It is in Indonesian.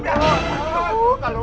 kalau enggak mas ahe